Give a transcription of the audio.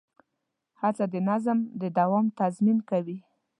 هڅه د نظم د دوام تضمین کوي.